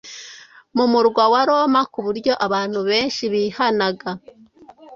mu murwa wa Roma ku buryo abantu benshi bihanaga